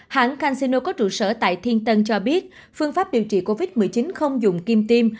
hãng cangino có trụ sở tại thiên tân cho biết phương pháp điều trị covid một mươi chín không dùng kim tiêm